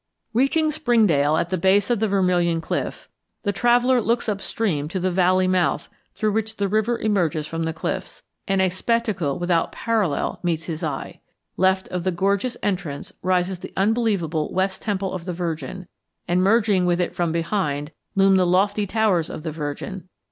Reaching Springdale, at the base of the Vermilion Cliff, the traveller looks up stream to the valley mouth through which the river emerges from the cliffs, and a spectacle without parallel meets his eye. Left of the gorgeous entrance rises the unbelievable West Temple of the Virgin, and, merging with it from behind, loom the lofty Towers of the Virgin.